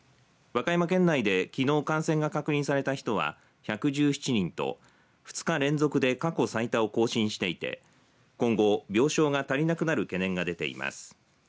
和歌山県内できのう感染が確認された人は１１７人と２日連続で過去最多を更新していて今後、病床が足りなくなる懸念が出ています。